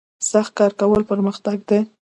سخت کار کول پرمختګ دی